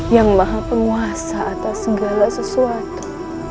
yang maha penguasa atas segala sesuatu